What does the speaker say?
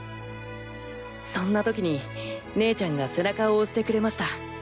そんな時に姉ちゃんが背中を押してくれました。